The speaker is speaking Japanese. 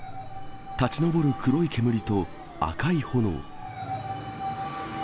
立ち上る黒い煙と赤い炎。